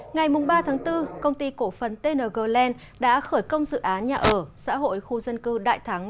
ngày ba bốn công ty cổ phần tn girl land đã khởi công dự án nhà ở xã hội khu dân cư đại thắng